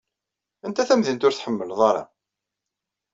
Anta tamdint ur tḥemmleḍ ara?